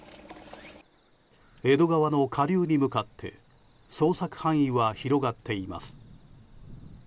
江戸川の下流に向かって捜索範囲は広がっています。